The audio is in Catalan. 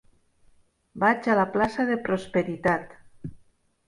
Vaig a la plaça de Prosperitat.